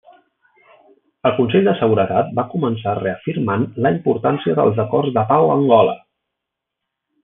El Consell de Seguretat va començar reafirmant la importància dels acords de pau a Angola.